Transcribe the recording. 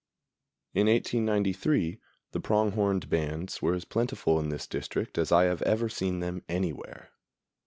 In 1893 the pronghorned bands were as plentiful in this district as I have ever seen them anywhere.